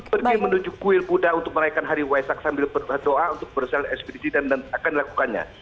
pergi menuju kuil buddha untuk merayakan hari waisak sambil berdoa untuk bersel ekspedisi dan akan dilakukannya